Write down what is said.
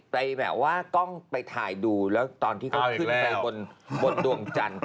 ไปแบบว่ากล้องไปถ่ายดูแล้วตอนที่เขาขึ้นไปบนดวงจันทร์